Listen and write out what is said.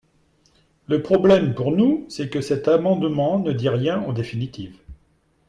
Le problème, pour nous, c’est que cet amendement ne dit rien en définitive.